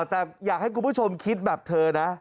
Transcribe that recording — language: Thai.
แต่อยากให้คุณผู้ชมคิดแบบเธอนะ